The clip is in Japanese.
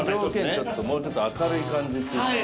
もうちょっと明るい感じっていうか。